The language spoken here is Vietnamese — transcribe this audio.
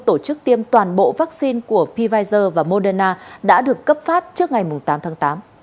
tổ chức tiêm toàn bộ vaccine của pver và moderna đã được cấp phát trước ngày tám tháng tám